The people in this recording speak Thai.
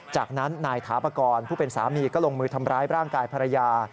จากนั้นนายถาปกรณ์ผู้เป็นสามีก็ลงมือทำร้ายร่างกายภรรยา